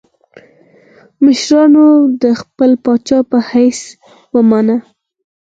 مشرانو د خپل پاچا په حیث ومانه.